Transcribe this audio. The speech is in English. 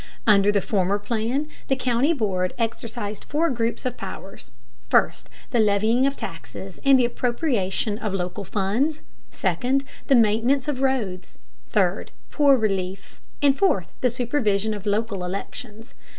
Under the former plan the county board exercised four groups of powers: First, the levying of taxes and the appropriation of local funds; second, the maintenance of roads; third, poor relief; and fourth, the supervision of local elections.